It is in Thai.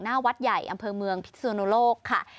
หน้าวัดใหญ่อำเภอเมืองพิศนุโลกค่ะ